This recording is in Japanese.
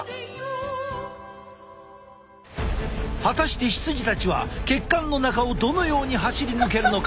果たして羊たちは血管の中をどのように走り抜けるのか？